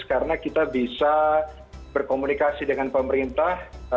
karena kita bisa berkomunikasi dengan pemerintah